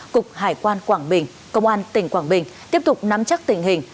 cục hải quan quảng bình công an tỉnh quảng bình tiếp tục nắm chắc tình hình